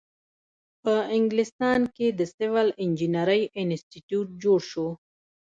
په انګلستان کې د سیول انجینری انسټیټیوټ جوړ شو.